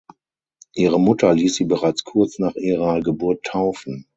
Ihre Mutter ließ sie bereits kurz nach ihrer Geburt taufen.